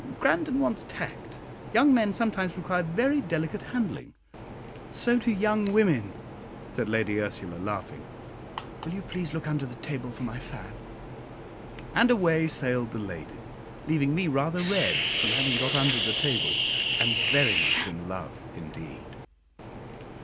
Grandon wants tact. Young men sometimes require very delicate handling." "So do young women," said Lady Ursula, laughing. "Will you please look under the table for my fan?" and away sailed the ladies, leaving me rather red from having got under the table, and very much in love indeed.